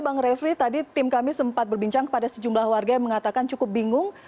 bang refli tadi tim kami sempat berbincang kepada sejumlah warga yang mengatakan cukup bingung